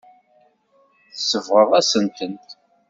Tsebɣeḍ-asent-tent.